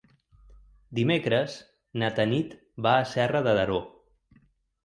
Dimecres na Tanit va a Serra de Daró.